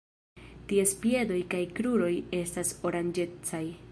Ties piedoj kaj kruroj estas oranĝecaj.